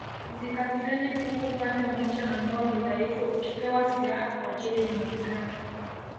Zikapigane huku upande mmoja ambao ni dhaifu ukipewa silaha kwa ajili ya mapigano